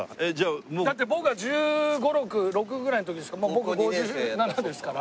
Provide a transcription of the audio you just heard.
だって僕が１５１６１６ぐらいの時ですからもう僕５７ですから。